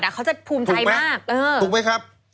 เขาจะภูมิใจมาก